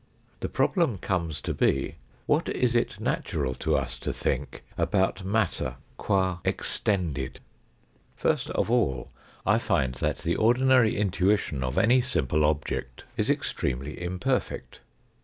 The problem comes to be, " What is it natural to us to think about matter qua extended ?" Fir. t of all, I find that the ordinary intuition of any simple object is extremely imperfect.